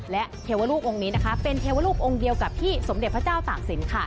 และเทวรูปองค์นี้นะคะเป็นเทวรูปองค์เดียวกับที่สมเด็จพระเจ้าตากศิลป